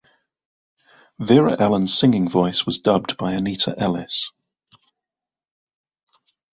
Vera-Ellen's singing voice was dubbed by Anita Ellis.